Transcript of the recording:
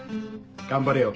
頑張れよ。